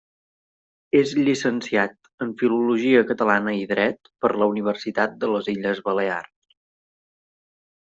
És llicenciat en Filologia Catalana i Dret per la Universitat de les Illes Balears.